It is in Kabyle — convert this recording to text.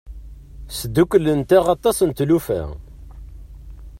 Sdukklent-aɣ aṭas n tlufa.